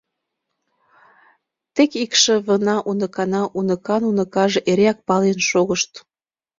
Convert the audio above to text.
Тек икшывына, уныкана, уныкан уныкаже эреак пален шогышт.